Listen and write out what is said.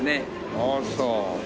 ああそう。